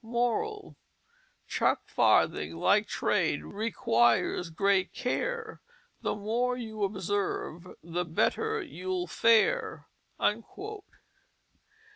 MORAL. "Chuck Farthing like Trade, Requires great Care. The more you observe The better you'll fare."